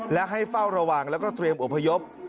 และให้เฝ้าระวังแล้วก็เตรียมอพยพ